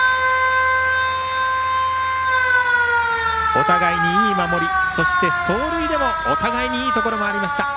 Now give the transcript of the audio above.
お互いにいい守りそして走塁でもお互いにいいところがありました。